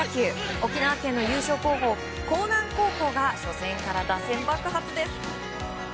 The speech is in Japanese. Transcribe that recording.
沖縄県の優勝候補、興南高校が初戦から打線爆発です。